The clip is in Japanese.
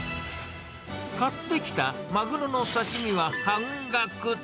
買ってきたマグロの刺身は半額。